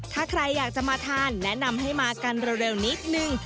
ถ้าใครอยากจะมาทานแนะนำให้มากันเร็วนิดนึง